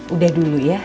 udah dulu ya